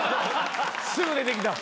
すぐ出てきた。